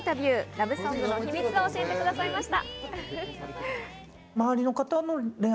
ラブソングの秘密を教えてくださいました。